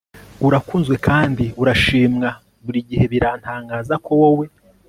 urakunzwe kandi urashimwa Buri gihe birantangaza ko wowe